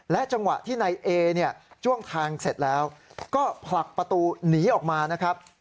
จังหวะที่นายเอเนี่ยจ้วงแทงเสร็จแล้วก็ผลักประตูหนีออกมานะครับ